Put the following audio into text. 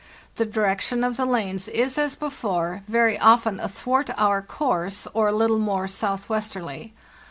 The direction of the lanes is, as before, very often athwart our course, or a little more southwesterly.